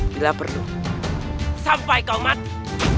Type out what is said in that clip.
bila perlu sampai kau mati